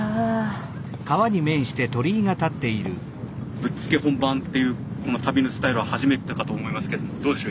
「ぶっつけ本番」っていうこの旅のスタイルは初めてだと思いますけどどうでしょう？